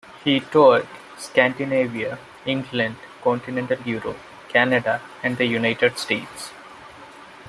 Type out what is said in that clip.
He toured Scandinavia, England, continental Europe, Canada, and the United States.